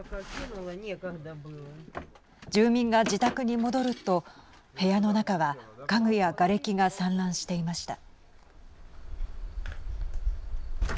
住民が自宅に戻ると部屋の中は家具やがれきが散乱していました。